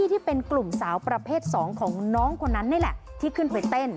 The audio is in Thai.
ที่เป็นกลุ่มสาวประเภท๒ของน้องคนนั้นนี่แหละที่ขึ้นไปเต้น